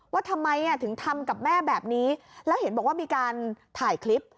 ว่าทำไมถึงทำกับแม่แบบนี้แล้วเห็นบอกว่ามีการถ่ายคลิป